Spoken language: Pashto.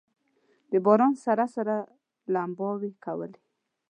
د باران سره سره لمباوې کولې.